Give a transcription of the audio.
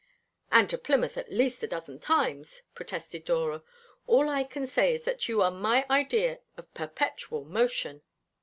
"And to Plymouth at least a dozen times," protested Dora. "All I can say is that you are my idea of perpetual motion."